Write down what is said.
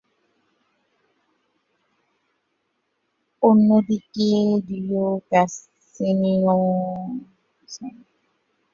অন্যদিকে Rio casino কক্ষে আসার পর তাকে ধরার জন্য ম্যাকডোনাল্ডের লোকেরা গুলিবর্ষণ শুরু করে ও তাকে ধরে ফেলে।